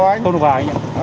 không được vào anh ạ